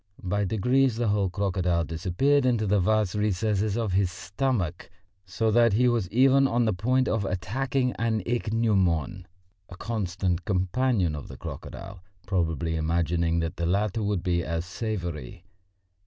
By degrees the whole crocodile disappeared into the vast recesses of his stomach, so that he was even on the point of attacking an ichneumon, a constant companion of the crocodile, probably imagining that the latter would be as savoury.